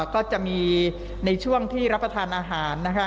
ก็จะมีในช่วงที่รับประทานอาหารนะคะ